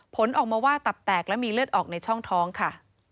ผลออกมาว่าตับแตกและมีเลือดออกในช่องท้องค่ะ